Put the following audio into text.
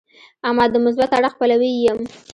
اما د مثبت اړخ پلوی یې یم.